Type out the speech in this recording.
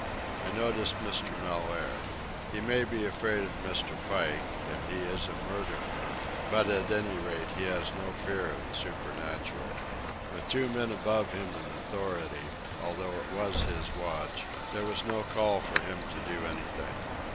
I noticed Mr. Mellaire. He may be afraid of Mr. Pike, and he is a murderer; but at any rate he has no fear of the supernatural. With two men above him in authority, although it was his watch, there was no call for him to do anything.